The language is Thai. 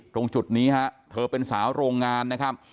ตรงจุดนี้ฮะเธอเป็นสาวโรงงานนะครับ